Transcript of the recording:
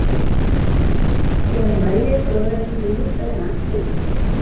Těm Marie prozradí důvod své návštěvy.